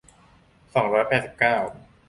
สองร้อยแปดสิบเก้า